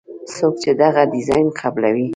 څوک چې دغه ډیزاین قبلوي.